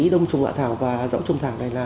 đông trùng hạ thảo và rõ trùng hạ thảo này là